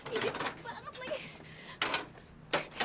ini cepet banget lagi